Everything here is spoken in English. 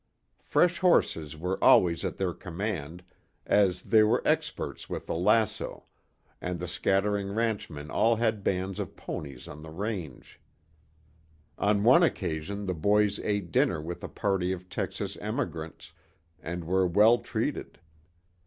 Fresh horses were always at their command, as they were experts with the lasso, and the scattering ranchmen all had bands of ponies on the range. On one occasion the boys ate dinner with a party of Texas emigrants, and were well treated.